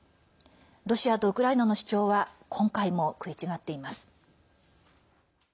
ロシアとウクライナの主張は今回も食い違っています。